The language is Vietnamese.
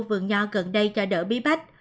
vườn nho gần đây cho đỡ bí bách